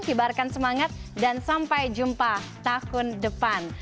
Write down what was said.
kibarkan semangat dan sampai jumpa tahun depan